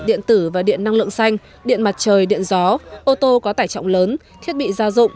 điện tử và điện năng lượng xanh điện mặt trời điện gió ô tô có tải trọng lớn thiết bị gia dụng